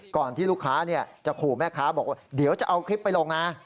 ที่ลูกค้าจะขู่แม่ค้าบอกว่าเดี๋ยวจะเอาคลิปไปลงนะ